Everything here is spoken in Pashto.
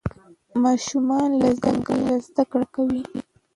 ماشومان له ځنګله زده کړه کوي.